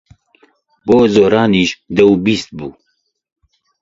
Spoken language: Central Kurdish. بۆ زۆرانیش دە و بیست بوو.